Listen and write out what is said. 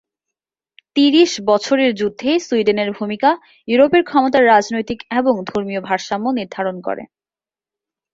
তিরিশ বছরের যুদ্ধে সুইডেনের ভূমিকা ইউরোপের ক্ষমতার রাজনৈতিক এবং ধর্মীয় ভারসাম্য নির্ধারণ করে।